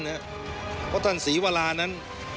เพราะท่านศรีวรานั้น